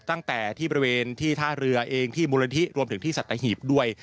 ตั้งแต่ที่บริเวณที่ท่าเรือเองที่มูลนิธิรวมถึงที่สัตหีบด้วย